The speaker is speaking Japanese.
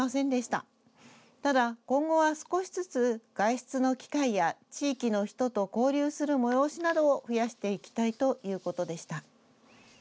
ただ今後は少しずつ外出の機会や地域の人と交流する催しなどを増やしていきたいということでした。